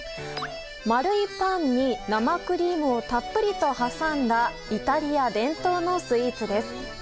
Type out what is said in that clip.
丸いパンに生クリームをたっぷりと挟んだイタリア伝統のスイーツです。